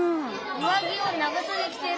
上着を長そで着てる。